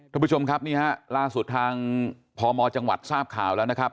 ทุกผู้ชมครับนี่ฮะล่าสุดทางพมจังหวัดทราบข่าวแล้วนะครับ